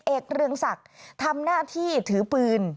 เรืองศักดิ์ทำหน้าที่ถือปืน